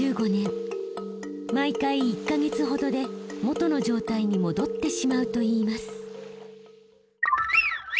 毎回１か月ほどで元の状態に戻ってしまうといいます。